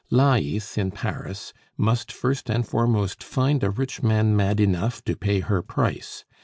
Lais, in Paris, must first and foremost find a rich man mad enough to pay her price.